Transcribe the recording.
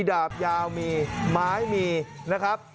ดาบยาวมีไม้มีนะครับ